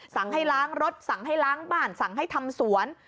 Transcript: สั่งให้ล้างรถสั่งให้ล้างบ้านสั่งให้ทำสวน